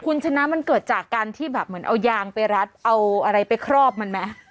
คุณชนะมันเกิดจากการที่แบบเหมือนเอายางไปรัดเอาอะไรไปครอบมันไหม